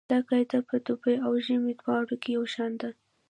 دا قاعده په دوبي او ژمي دواړو کې یو شان ده